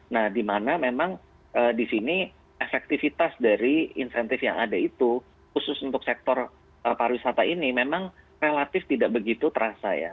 nah di mana memang di sini efektivitas dari insentif yang ada itu khusus untuk sektor pariwisata ini memang relatif tidak begitu terasa ya